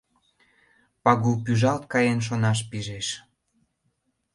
Пагул пӱжалт каен шонаш пижеш.